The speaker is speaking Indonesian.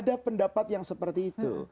ada pendapat yang seperti itu